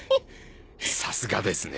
さすがですね